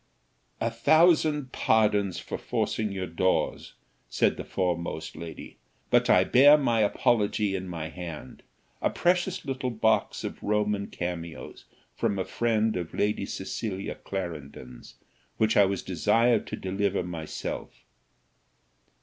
"A thousand pardons for forcing your doors," said the foremost lady; "but I bear my apology in my hand: a precious little box of Roman cameos from a friend of Lady Cecilia Clarendon's, which I was desired to deliver myself."